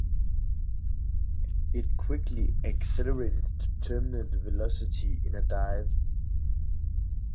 It quickly accelerated to terminal velocity in a dive.